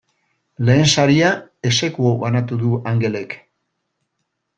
Lehen saria ex aequo banatu du Angelek.